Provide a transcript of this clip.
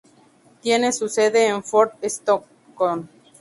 Tiene su sede en Fort Stockton.